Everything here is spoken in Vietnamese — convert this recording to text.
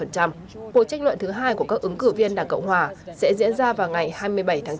cuộc tranh luận thứ hai của các ứng cử viên đảng cộng hòa sẽ diễn ra vào ngày hai mươi bảy tháng chín